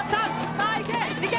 さあいけいけ！